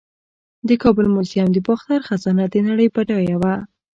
د کابل میوزیم د باختر خزانه د نړۍ بډایه وه